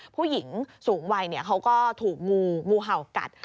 ผู้หญิงสูงวัยเขาก็ถูกงูเห่ากัด